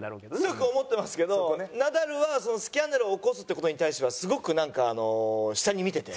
強く思ってますけどナダルはスキャンダルを起こすって事に対してはすごくなんか下に見てて。